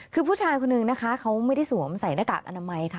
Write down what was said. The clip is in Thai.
คือผู้ชายคนนึงนะคะเขาไม่ได้สวมใส่หน้ากากอนามัยค่ะ